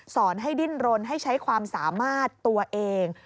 สอนให้ดิ้นรนให้ใช้ความสามารถตัวเอง